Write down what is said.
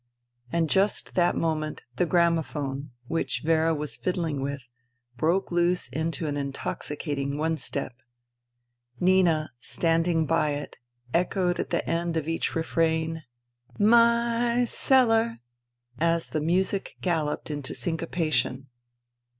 And just that moment the gramophone, which Vera was fiddling with, broke loose into an intoxi cating one step. Nina, standing by it, echoed at the end of each refrain —" My y y cell a,v !" as the music galloped into syncopation.